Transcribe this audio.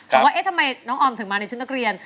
ว่าเอ๊ะทำไมน้องออมถึงมาในชุดนักเรียน